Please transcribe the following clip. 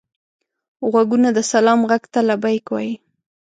غوږونه د سلام غږ ته لبیک وايي